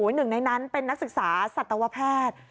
หนึ่งในนั้นเป็นนักศึกษาสัตวแพทย์